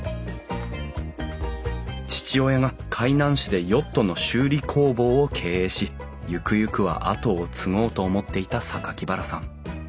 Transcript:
父親が海南市でヨットの修理工房を経営しゆくゆくは後を継ごうと思っていた榊原さん。